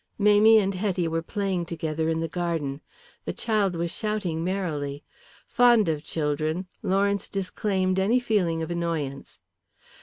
Mamie and Hetty were playing together in the garden. The child was shouting merrily. Fond of children, Lawrence disclaimed any feeling of annoyance.